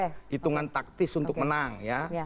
itu artinya peluang taktis untuk menang ya